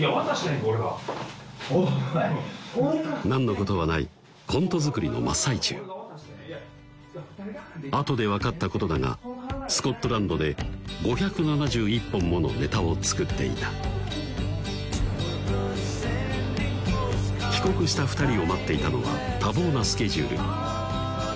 何のことはないコントづくりの真っ最中後で分かったことだがスコットランドで５７１本ものネタをつくっていた帰国した２人を待っていたのは多忙なスケジュール